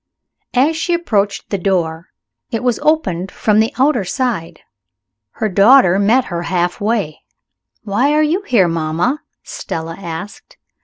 As she approached the door, it was opened from the outer side. Her daughter met her half way. "Why are you here, mamma?" Stella asked.